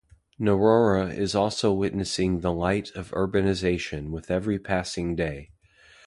Narora is also witnessing the light of urbanization with every passing day.